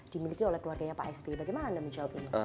dimiliki oleh keluarganya pak sby bagaimana anda menjawab ini